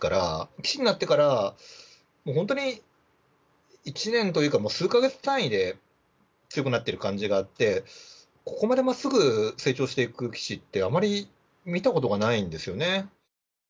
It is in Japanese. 棋士になってから本当に、１年というか、もう数か月単位で強くなってる感じがあって、ここまでまっすぐ成長していく棋士って、あまり見たことがないんですよね。